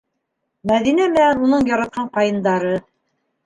Мәҙинә менән уның яратҡан ҡайындары.